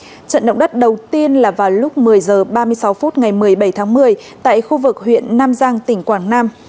trận động đất đầu tiên là vào lúc một mươi h ba mươi sáu phút ngày một mươi bảy tháng một mươi tại khu vực huyện nam giang tỉnh quảng nam